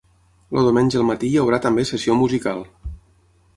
El diumenge al matí hi haurà també sessió musical.